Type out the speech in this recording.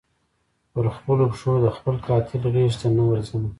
پر خپلو پښو د خپل قاتل غیږي ته نه ورځمه